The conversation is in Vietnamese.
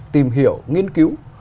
tìm hiểu nghiên cứu